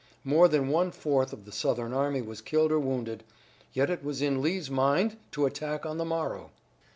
More than one fourth of the Southern army was killed or wounded, yet it was in Lee's mind to attack on the morrow.